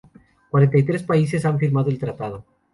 Cuarenta y tres países han firmado el tratado.